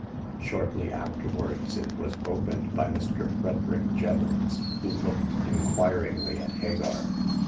Shortly afterwards it was opened by Mr. Frederick Jevons, who looked in quiringly at Hagar.